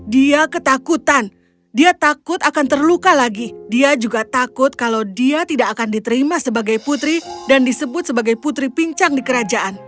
dia ketakutan dia takut akan terluka lagi dia juga takut kalau dia tidak akan diterima sebagai putri dan disebut sebagai putri pincang di kerajaan